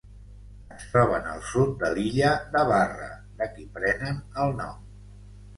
Es troben al sud de l'illa de Barra, de qui prenen el nom.